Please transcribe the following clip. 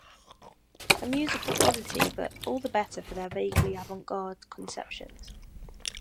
A musical oddity but all the better for their vaguely avant garde conceptions.